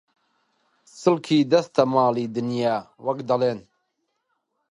«چڵکی دەستە ماڵی دنیا» وەک دەڵێن